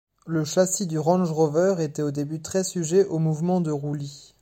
Le châssis du Range Rover était au début très sujet aux mouvements de roulis.